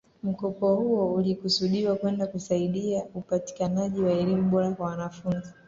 Mkopo huo ulikusudiwa kwenda kusaidia upatikanaji wa elimu bora kwa wanafunzi